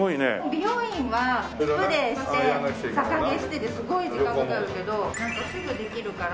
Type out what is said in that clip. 美容院はスプレーして逆毛してですごい時間かかるけどちゃんとすぐできるから。